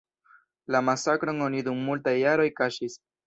La masakron oni dum multaj jaroj kaŝis.